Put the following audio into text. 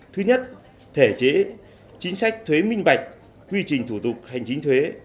thứ nhất thể chế chính sách thuế minh bạch quy trình thủ tục hành chính thuế